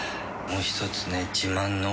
もう１つね。